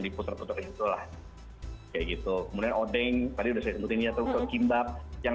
diputer puterin gitu lah kayak gitu kemudian odeng tadi udah saya sebutin ya terus ke kimbab yang